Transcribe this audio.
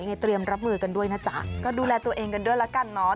เตรียมรับมือกันด้วยนะจ๊ะก็ดูแลตัวเองกันด้วยแล้วกันเนาะ